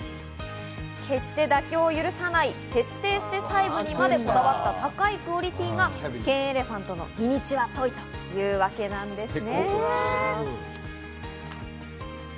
決して妥協を許さない、徹底して細部にまでこだわった高いクオリティーが、ケンエレファントのミニチュアトイというわけなんです。